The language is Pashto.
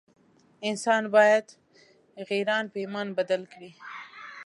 انسان باید غیران په ایمان بدل کړي.